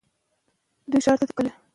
دوی ښار ته کله ځي؟